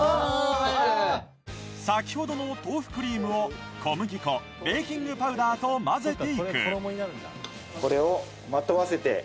先ほどの豆腐クリームを小麦粉ベーキングパウダーと混ぜていく